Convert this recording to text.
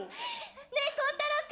ねえコン太郎君